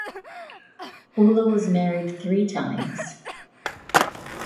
Ulla was married three times.